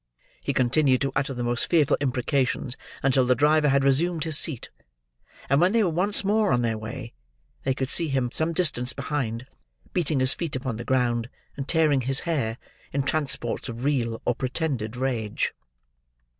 He continued to utter the most fearful imprecations, until the driver had resumed his seat; and when they were once more on their way, they could see him some distance behind: beating his feet upon the ground, and tearing his hair, in transports of real or pretended rage.